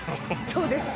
そうです。